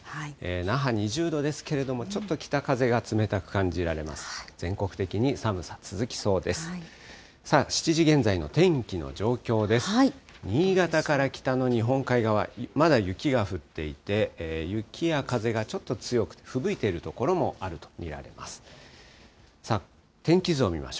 那覇２０度ですけれども、ちょっと北風が冷たく感じられます。